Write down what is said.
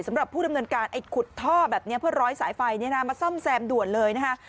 สำหรับผู้ดำเนินการไอ้ขุดท่อแบบนี้เพื่อร้อยสายไฟมาซ่อมแซมด่วนเลยนะคะ